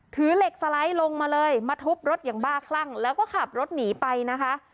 ถือเหล็กสไลด์ลงมาเลยมาทุบรถอย่างบ้าคลั่งแล้วก็ขับรถหนีไปนะคะ